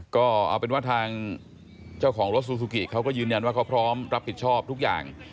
ก็เอาเป็นว่าทางเจ้าของรถซูซูกิเขาก็ยืนยันว่าเขาพร้อมรับผิดชอบทุกอย่าง